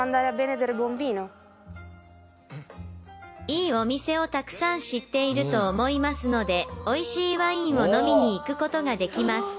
「いいお店をたくさん知っていると思いますので美味しいワインを飲みに行く事ができます」